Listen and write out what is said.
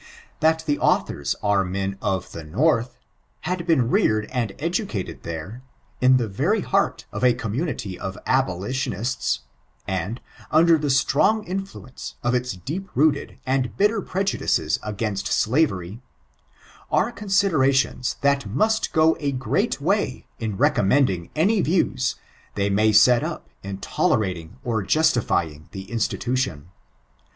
That the authora are men of the North, had been reared and educated there, in the very heart of a community of abolitioniata, and, under the strong influence of its deep rooted and bitter prejudices against alaveiy, are considerations diat muat go a great way in recommending any viewa they may set up in tolerating or justifying the institution.